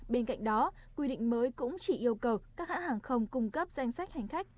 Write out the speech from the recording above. bên cạnh đó quy định mới cũng chỉ yêu cầu các hãng hàng không cung cấp danh sách hành khách